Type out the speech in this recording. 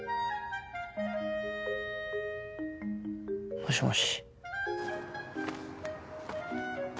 もしもし。